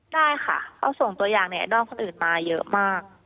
ได้ค่ะเขาส่งตัวอย่างในไอดอลคนอื่นมาเยอะมาก